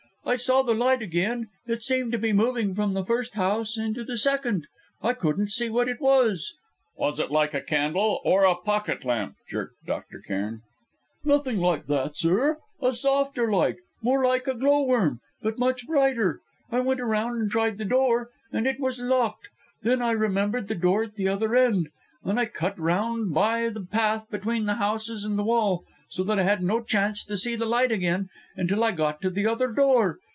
I saw the light again it seemed to be moving from the first house into the second. I couldn't see what it was." "Was it like a candle, or a pocket lamp?" jerked Dr. Cairn. "Nothing like that, sir; a softer light, more like a glow worm; but much brighter. I went around and tried the door, and it was locked. Then I remembered the door at the other end, and I cut round by the path between the houses and the wall, so that I had no chance to see the light again, until I got to the other door.